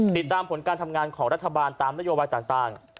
ติดตามผลการทำงานของรัฐบาลตามนโยบายต่าง